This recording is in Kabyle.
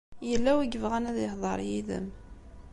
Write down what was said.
Yella win i yebɣan ad ihḍeṛ yid-m.